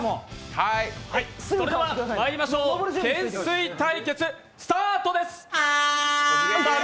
それではまいりましょう懸垂対決スタートです。